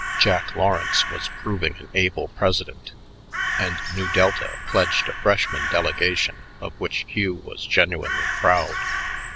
Jack Lawrence was proving an able president, and Nu Delta pledged a freshman delegation of which Hugh was genuinely proud.